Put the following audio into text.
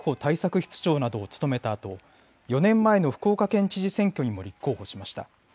室長などを務めたあと４年前の福岡県知事選挙にも立候補しました。